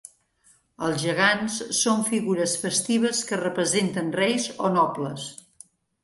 Els gegants són figures festives que representen reis o nobles.